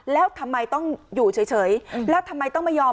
แล้วทำไมต้องอยู่เฉยแล้วทำไมต้องไม่ยอม